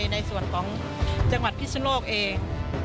ในส่วนของจังหวัดพิศนโลกเอง